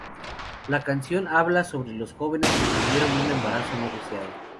La canción habla sobre dos jóvenes que tuvieron un embarazo no deseado.